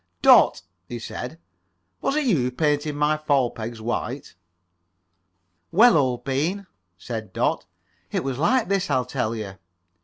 "Dot," he said, "was it you who painted my fall pegs white?" "Well, old bean," said Dot, "it was like this. I'll tell you."